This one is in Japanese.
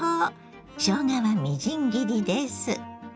しょうがはみじん切りです。